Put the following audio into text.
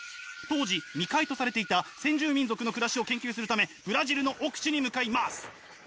当時未開とされていた先住民族の暮らしを研究するためブラジルの奥地に向かいます！